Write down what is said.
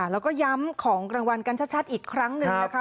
แล้วก็ย้ำของรางวัลกันชัดอีกครั้งหนึ่งนะคะ